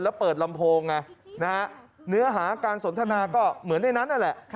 แล้วเปิดลำโพงไงนะฮะเนื้อหาการสนทนาก็เหมือนในนั้นนั่นแหละ